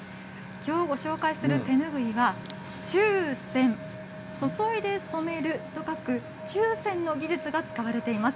きょうご紹介する手拭いは注染注いで染めると書く注染の技術が使われています。